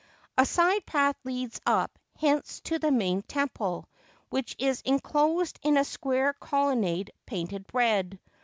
A side path leads up hence to the main temple, which is en closed in a square colonnade painted red.